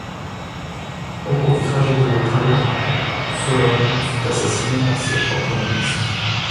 Au cours du trajet du retour, Sawlon fut assassiné par ses propres ministres.